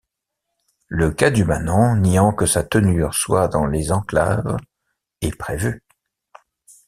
Le cas du manant niant que sa tenure soit dans les enclaves » est prévu.